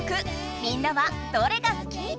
みんなはどれが好き？